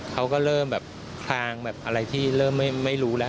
เขาก็เริ่มแบบพลางแบบอะไรที่เริ่มไม่รู้แล้ว